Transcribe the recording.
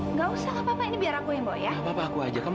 nggak usah apa apa ini biar aku yang boyang aku aja kamu